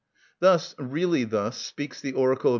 Thus, really thus, speaks the oracle of M.